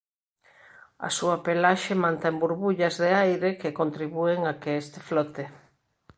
A súa pelaxe mantén burbullas de aire que contribúen a que este flote.